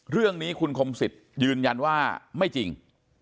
เรื่องนี้คุณคมสิทธิ์ยืนยันว่าไม่จริง